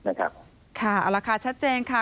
เอาละชัดเจนค่ะ